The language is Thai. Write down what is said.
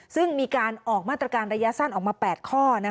ซึ่งมีการออกมาตรการระยะสั้นออกมา๘ข้อ